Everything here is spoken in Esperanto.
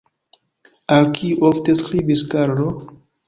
Al kiu ofte skribis Karlo?